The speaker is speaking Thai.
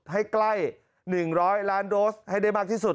ให้ใกล้๑๐๐ล้านโดสให้ได้มากที่สุด